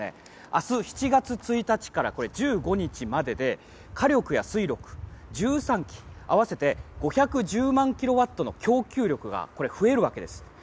明日７月１日から１５日までで１５日までで火力や水力１３基合わせて５１０万キロワットの供給力が増えるわけです。